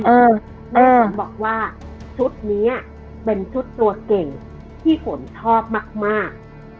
แต่ฝนบอกว่าชุดนี้เป็นชุดตัวเก่งที่ฝนชอบมาก